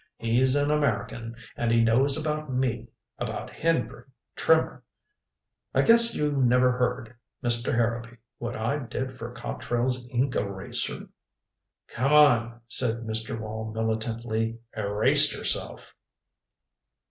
He's an American, and he knows about me about Henry Trimmer. I guess you never heard, Mr. Harrowby, what I did for Cotrell's Ink Eraser " "Come on," said Mr. Wall militantly, "erase yourself."